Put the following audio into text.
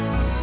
ya udah deh